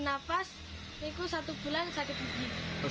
nafas itu satu bulan sakit gigi sakit gigi terus terus